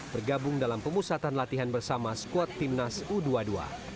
bergabung dalam pemusatan latihan bersama skuad tim nasional u dua puluh dua